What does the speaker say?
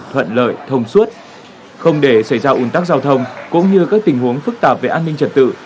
thuận lợi thông suốt không để xảy ra ủn tắc giao thông cũng như các tình huống phức tạp về an ninh trật tự